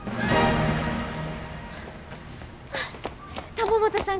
玉本さん